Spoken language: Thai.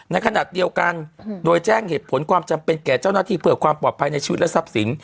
ในขณะเดียวกันโดยแจ้งเหตุผลความจำเป็นแก่เจ้าหน้าที่เพื่อความปลอดภัยในชีวิตและทรัพย์สิน